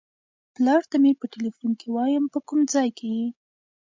پلار ته مې په ټیلیفون کې وایم په کوم ځای کې یې.